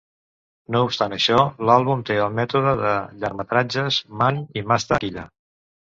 No obstant això, l'àlbum té el mètode de llargmetratges Man i Masta Killa.